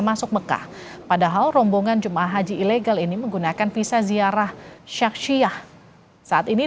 masuk mekah padahal rombongan jemaah haji ilegal ini menggunakan visa ziarah syakshiyah saat ini